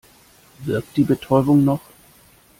Wirkt die Betäubung noch?